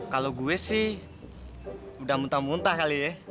kalau gue sih udah muntah muntah kali ya